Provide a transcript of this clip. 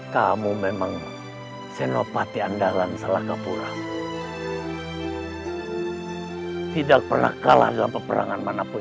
kamu memang senopati andalan salah kapura tidak pernah kalah dalam peperangan manapun